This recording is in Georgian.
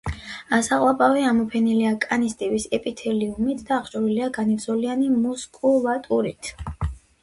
საყლაპავი ამოფენილია კანის ტიპის ეპითელიუმით და აღჭურვილია განივზოლიანი მუსკულატურით.